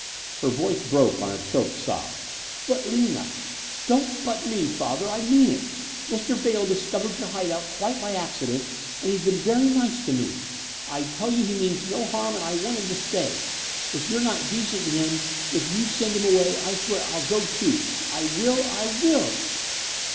Her voice broke on a choked sob. "But Lina " "Don't but me, Father. I mean it. Mr. Vail discovered your hideout quite by accident and he's been very nice to me. I tell you he means no harm and I want him to stay. If you're not decent to him, if you send him away, I swear I'll go too. I will I will!"